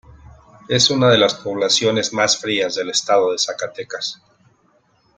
Es una de las poblaciones más frías del estado de Zacatecas.